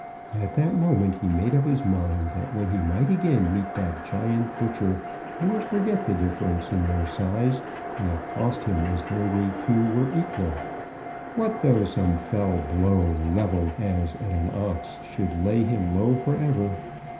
At that moment he made up his mind, that when he might again meet that giant butcher he would forget the difference in their size, and accost him as though they two were equal. What though some fell blow, levelled as at an ox, should lay him low for ever.